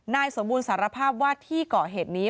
นายสมบูรณสารภาพว่าที่ก่อเหตุนี้